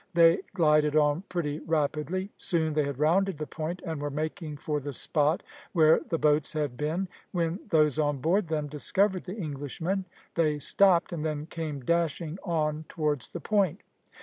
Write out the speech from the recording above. They glided on pretty rapidly. Soon they had rounded the point, and were making for the spot where the boats had been, when those on board them discovered the Englishmen. They stopped, and then came dashing on towards the point.